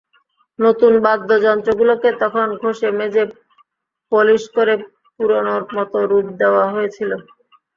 নতুন বাদ্যযন্ত্রগুলোকে তখন ঘষে-মেজে পলিশ করে পুরোনোর মতো রূপ দেওয়া হয়েছিল।